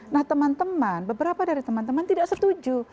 nah teman teman beberapa dari teman teman tidak setuju